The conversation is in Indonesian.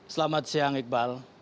selamat siang iqbal